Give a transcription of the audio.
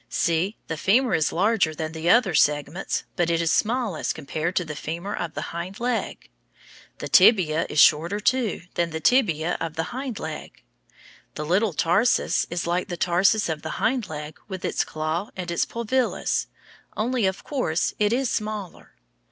See, the femur is larger than the other segments, but it is small as compared to the femur of the hind leg. The tibia is shorter, too, than the tibia of the hind leg. The little tarsus is like the tarsus of the hind leg with its claws and its pulvillus, only, of course, it is smaller.